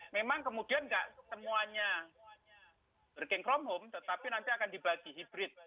memang kemudian tidak semuanya working from home tetapi nanti akan dibagi hybrid